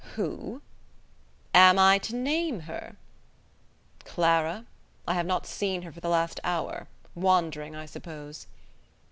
"Who?" "Am I to name her?" "Clara? I have not seen her for the last hour. Wandering, I suppose."